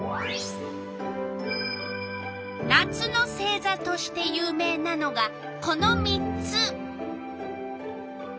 夏の星座として有名なのがこの３つ。